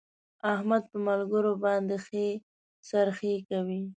احمد په ملګرو باندې ښې خرڅې کوي.